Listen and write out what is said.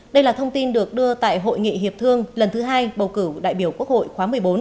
đây là thông tin được đưa tại hội nghị hiệp thương lần thứ hai bầu cử đại biểu quốc hội khóa một mươi bốn